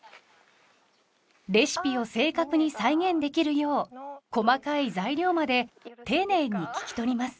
レシピを正確に再現できるよう細かい材料まで丁寧に聞き取ります。